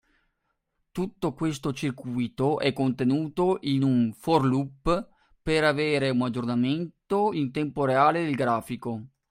Tutto questo circuito è contenuto in un For Loop per avere un aggiornamento in tempo reale del grafico.